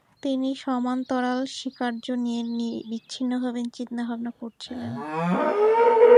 তিনি সমান্তরাল স্বীকার্য নিয়ে বিচ্ছিন্নভাবে চিন্তাভাবনা করছিলেন।